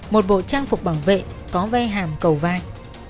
một bộ trang phục bảo vệ có ve hàm cầu vai